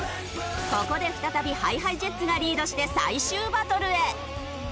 ここで再びＨｉＨｉＪｅｔｓがリードして最終バトルへ。